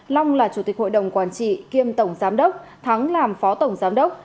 long là chủ tịch hội đồng quản trị kiêm tổng giám đốc thắng làm phó tổng giám đốc